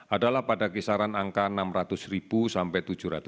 adalah pada kisaran angka enam ratus sampai tujuh ratus